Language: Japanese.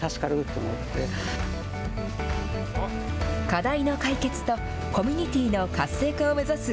課題の解決とコミュニティの活性化を目指す